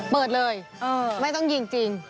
เปิดเลยไม่ต้องยิงจริง